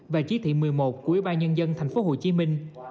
và chỉ thị một mươi một của ủy ban nhân dân thành phố hồ chí minh